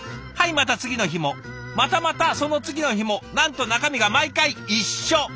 また次の日もまたまたその次の日もなんと中身が毎回一緒。